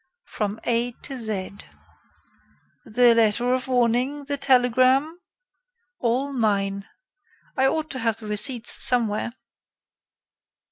"From A to Z." "The letter of warning? the telegram?" "All mine. I ought to have the receipts somewhere."